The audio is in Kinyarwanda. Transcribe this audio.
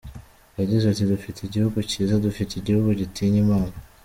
Yagize ati “Dufite igihugu kiza, dufite igihugu gitinya Imana.